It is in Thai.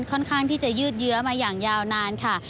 ค่อนข้างที่จะยืดเยื้อมาอย่างยาวนานค่ะ